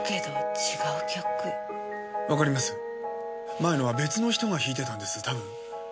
前のは別の人が弾いてたんですたぶん。